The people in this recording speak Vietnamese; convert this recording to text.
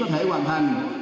một lĩnh vực văn hóa sáng tạo